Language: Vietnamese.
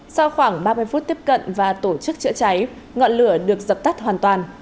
sau khoảng ba mươi phút tiếp cận và tổ chức chữa cháy ngọn lửa được dập tắt hoàn toàn